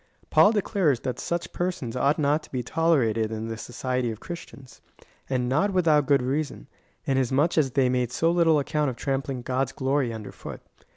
Paul declares that such persons ought not to be tolerated in the society of Christians ; and not without good reason, inasmuch as they made so little account of trampling God's glory under foot.